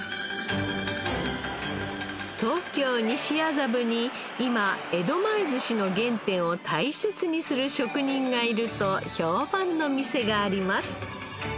東京西麻布に今江戸前鮨の原点を大切にする職人がいると評判の店があります。